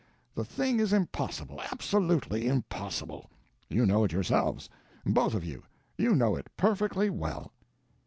The thing is impossible absolutely impossible. You know it yourselves both of you; you know it perfectly well."